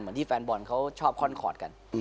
เหมือนที่แฟนบอลเขาชอบค่อนขอดกัน